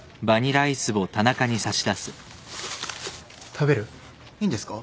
食べる？いいんですか？